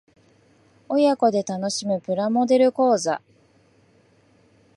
親子で楽しむプラモデル講座